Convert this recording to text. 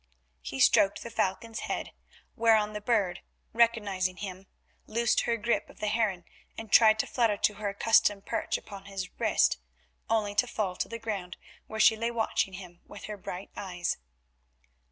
He stroked the falcon's head, whereon the bird, recognising him, loosed her grip of the heron and tried to flutter to her accustomed perch upon his wrist, only to fall to the ground, where she lay watching him with her bright eyes.